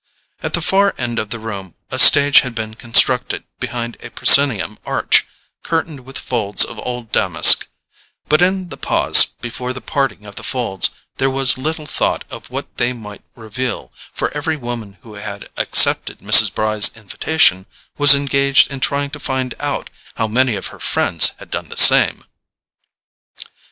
At the farther end of the room a stage had been constructed behind a proscenium arch curtained with folds of old damask; but in the pause before the parting of the folds there was little thought of what they might reveal, for every woman who had accepted Mrs. Bry's invitation was engaged in trying to find out how many of her friends had done the same.